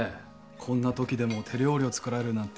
こんなときでも手料理を作られるなんて。